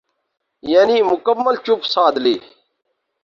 یعنی مکمل چپ سادھ لی۔